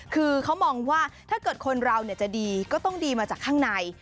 คือเขามองว่าถ้าเกิดคนเราจะดีก็ต้องดีมาจากข้างใน